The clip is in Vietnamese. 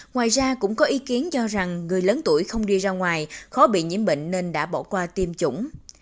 ngoài ra cũng có ý kiến cho rằng người lớn tuổi không đi ra ngoài khó bị nhiễm bệnh nên đã bỏ qua tiêm chủng